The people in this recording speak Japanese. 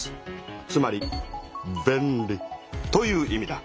つまり便利という意味だ。